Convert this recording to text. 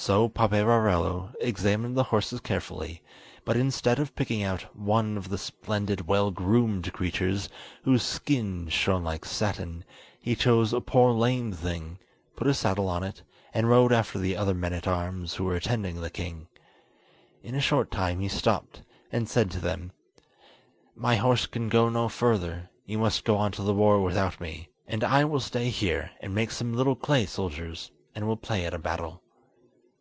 So Paperarello examined the horses carefully, but instead of picking out one of the splendid well groomed creatures, whose skin shone like satin, he chose a poor lame thing, put a saddle on it, and rode after the other men at arms who were attending the king. In a short time he stopped, and said to them: "My horse can go no further; you must go on to the war without me, and I will stay here, and make some little clay soldiers, and will play at a battle."